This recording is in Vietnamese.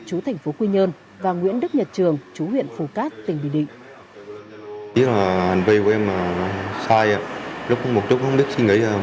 chú thành phố quy nhơn và nguyễn đức nhật trường chú huyện phù cát tỉnh bình định